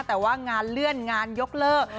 แต่ว่างานเลื่อนงานยกเลิก